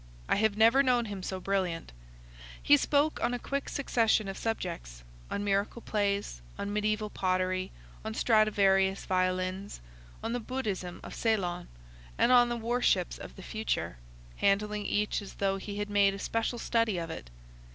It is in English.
I have never known him so brilliant. He spoke on a quick succession of subjects,—on miracle plays, on mediæval pottery, on Stradivarius violins, on the Buddhism of Ceylon, and on the war ships of the future,—handling each as though he had made a special study of it.